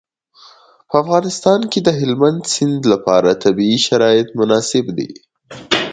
په افغانستان کې د هلمند سیند لپاره طبیعي شرایط مناسب دي.